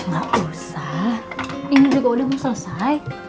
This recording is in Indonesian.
gak usah ini juga udah mau selesai